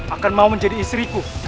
akan mau menjadi istriku